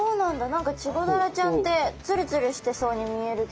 何かチゴダラちゃんってツルツルしてそうに見えるけど。